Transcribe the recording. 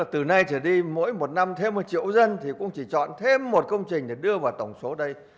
từ nay trở đi mỗi một năm thêm một triệu dân thì cũng chỉ chọn thêm một công trình để đưa vào tổng số đây